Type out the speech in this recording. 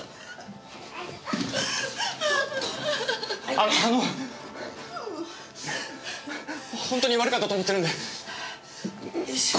あのあのほんとに悪かったと思ってるんでこれ。